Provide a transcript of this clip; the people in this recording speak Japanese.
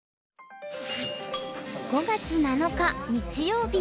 ５月７日日曜日。